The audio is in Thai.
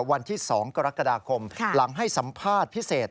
วันที่๒กรกฎาคมหลังให้สัมภาษณ์พิเศษ